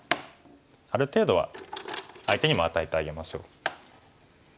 ある程度は相手にも与えてあげましょう。